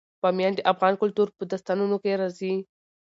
بامیان د افغان کلتور په داستانونو کې راځي.